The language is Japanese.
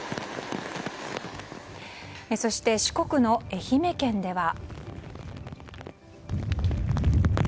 そして、四国の愛媛県では。